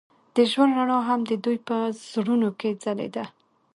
د ژوند رڼا هم د دوی په زړونو کې ځلېده.